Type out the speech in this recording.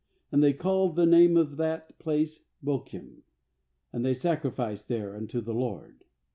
6Ajad they called the name of that place aBochim; and they sacrificed there unto the LORD.